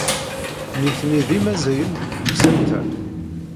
Nitni d imazzayen deg temsalt-a.